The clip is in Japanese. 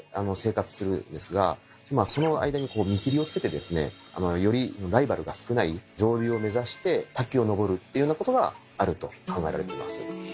あほら来た滝！よりライバルが少ない上流を目指して滝を登るっていうようなことがあると考えられています。